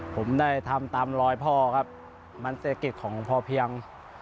ผมได้ทำตามรอยพ่อครับมันเศรษฐกิจของพ่อเพียง